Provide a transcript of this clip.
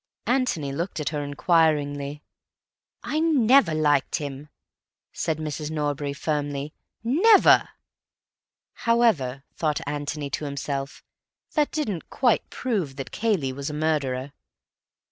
Antony looked at her inquiringly. "I never liked him," said Mrs. Norbury firmly. "Never." However, thought Antony to himself, that didn't quite prove that Cayley was a murderer.